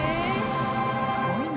すごいな。